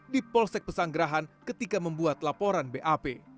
di polsek pesanggerahan ketika membuat laporan bap